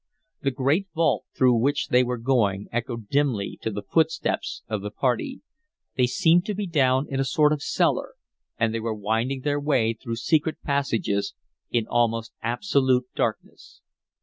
The great vault through which they were going echoed dimly to the footsteps of the party. They seemed to be down in a sort of a cellar, and they were winding their way through secret passages in almost absolute darkness.